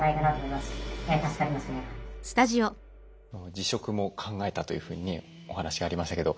辞職も考えたというふうにねお話がありましたけど。